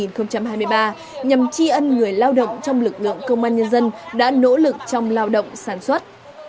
nhằm tri ân người lao động trong lực lượng công an nhân dân đã nỗ lực trong lao động sản xuất